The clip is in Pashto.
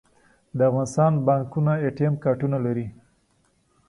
د افغانستان بانکونه اې ټي ایم کارډونه لري